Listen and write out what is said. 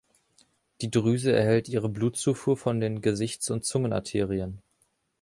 Die Drüse erhält ihre Blutzufuhr von den Gesichts- und Zungenarterien.